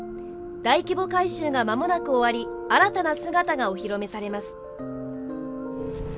大規模改修がまもなく終わり新たな姿がお披露目されます。